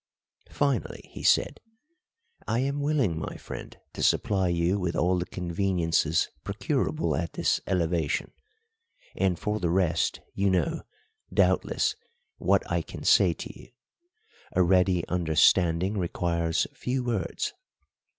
Finally he said, "I am willing, my friend, to supply you with all the conveniences procurable at this elevation; and, for the rest, you know, doubtless, what I can say to you. A ready understanding requires few words.